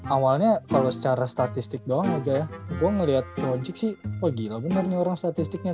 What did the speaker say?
awalnya kalau secara statistik doang aja ya gue ngeliat project sih wah gila bener nih orang statistiknya